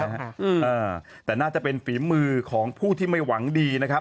อ่าแต่น่าจะเป็นฝีมือของผู้ที่ไม่หวังดีนะครับ